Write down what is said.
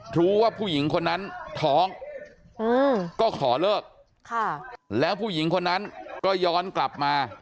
รู้ว่าผู้หญิงคนนั้นท้องก็ขอเลิกแล้วผู้หญิงคนนั้นก็ย้อนกลับมา